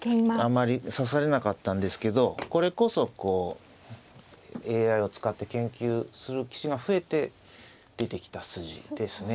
あんまり指されなかったんですけどこれこそこうＡＩを使って研究する棋士が増えて出てきた筋ですね。